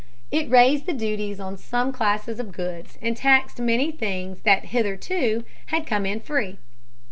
It raised the duties on some classes of goods and taxed many things that hitherto had come in free.